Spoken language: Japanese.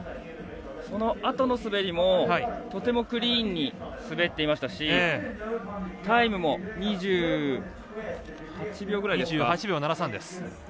そのあとの滑りもとてもクリーンに滑っていましたしタイムも２８秒７３。